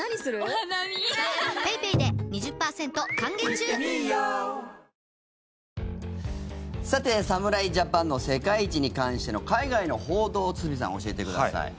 僕もサントリー「ＶＡＲＯＮ」さて、侍ジャパンの世界一に関しての海外の報道を堤さん、教えてください。